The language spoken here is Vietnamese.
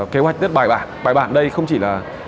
kế hoạch rất bài bản bài bản đây không chỉ là